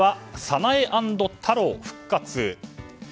早苗＆太郎復活。